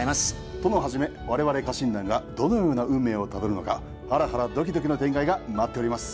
殿はじめ我々家臣団がどのような運命をたどるのかハラハラドキドキの展開が待っております。